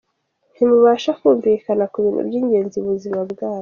Ntimubasha kumvikana ku bintu by’ingenzi mu buzima bwanyu.